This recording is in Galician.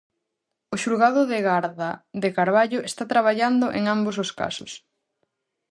O xulgado de garda de Carballo está traballando en ambos os casos.